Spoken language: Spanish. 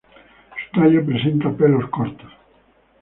Su tallo presenta pelos cortos.